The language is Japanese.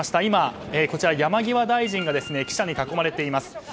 今、山際大臣が記者に囲まれています。